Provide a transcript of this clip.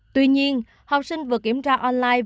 tuy nhiên học sinh vừa kiểm tra online